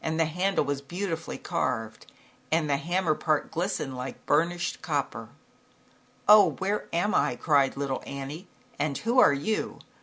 H3 the handle was all beautifully carved and the hammer part glistened like bur nished copper. "Oh, where am I?" cried little Annie, "and who are you?